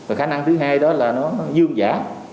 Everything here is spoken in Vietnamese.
và khả năng thứ hai đó là nó dương giả